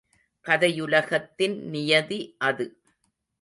கதையுலகத்தின் நியதி அது.